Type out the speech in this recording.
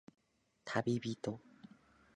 たびびと